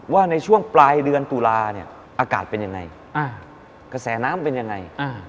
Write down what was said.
ว่าในช่วงปลายเดือนตุลาเนี่ยอากาศเป็นยังไงกระแสน้ำเป็นยังไง